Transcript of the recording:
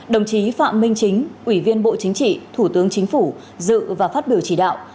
đồng chí phạm minh chính ủy viên bộ chính trị thủ tướng chính phủ dự và phát biểu chỉ đạo